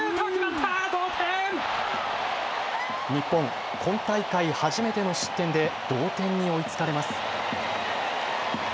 日本、今大会初めての失点で同点に追いつかれます。